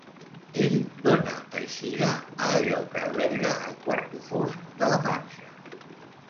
Ell dona eixida a allò que alberga el quarto fosc de la panxa.